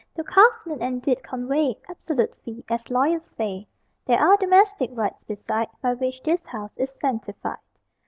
Though covenant and deed convey Absolute fee, as lawyers say, There are domestic rites beside By which this house is sanctified.